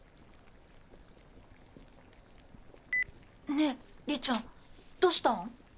ねえ李ちゃんどしたん？